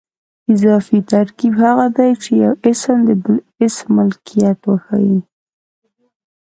اضافي ترکیب هغه دئ، چي یو اسم د بل اسم ملکیت وښیي.